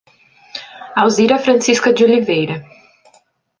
Alzira Francisca de Oliveira